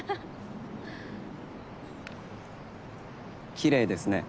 きれいですね。